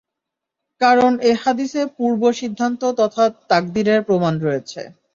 কারণ এ হাদীসে পূর্ব সিদ্ধান্ত তথা তাকদীরের প্রমাণ রয়েছে।